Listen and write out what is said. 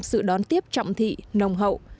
sự đón tiếp trọng thị nồng hậu